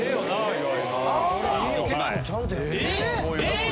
岩井。